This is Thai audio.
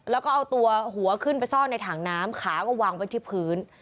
แล้วก็เอาตัวหัวขึ้นไปซ่อนในถังน้ำขาก็วางไว้ที่พื้น